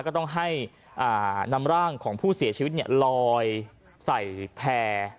ก็ต้องให้นำร่างของผู้เสียชีวิตลอยใส่แพร่